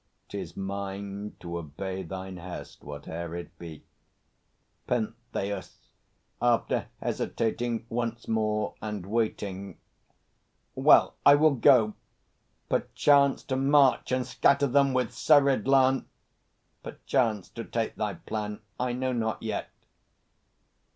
'Tis mine to obey thine hest, Whate'er it be. PENTHEUS (after hesitating once more and waiting). Well, I will go perchance To march and scatter them with serried lance, Perchance to take thy plan. ... I know not yet.